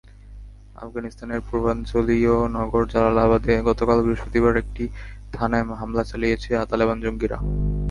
আফগানিস্তানের পূর্বাঞ্চলীয় নগর জালালাবাদে গতকাল বৃহস্পতিবার একটি থানায় হামলা চালিয়েছে তালেবান জঙ্গিরা।